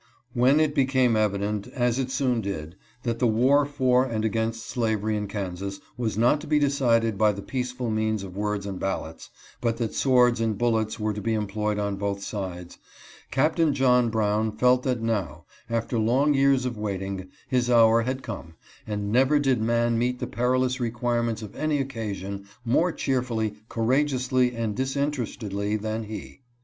When it became evident, as it soon did, that the war for and against slavery in Kansas was not to be decided by the peaceful means of words and ballots, but that swords and bullets were to be employed on both sides, Captain John Brown felt that now, after long years of waiting, his hour had come, and never did man meet the perilous requirements of any occasion more cheerfully, courageously, and disinterestedly than he.